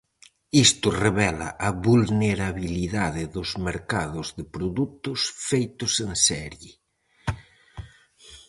Isto revela a vulnerabilidade dos mercados de produtos feitos en serie.